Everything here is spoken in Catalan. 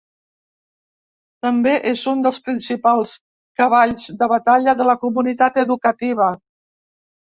També és un dels principals cavalls de batalla de la comunitat educativa.